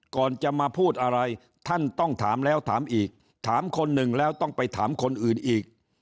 ก่อนจะมาพูดอะไรท่านต้องถามแล้วถามอีกถามคนหนึ่งแล้วต้องไปถามคนอื่นอีก